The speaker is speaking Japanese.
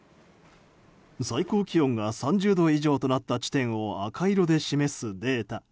最高気温が３０度以上となった地点を赤色で示すデータ。